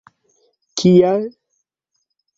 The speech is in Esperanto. Kial!?